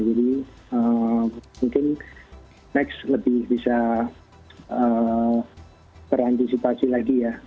jadi mungkin next lebih bisa berantisipasi lagi ya